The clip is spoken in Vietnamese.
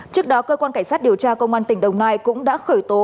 trước đó cơ quan cảnh sát điều tra công an tỉnh đồng nai cũng đã khởi tố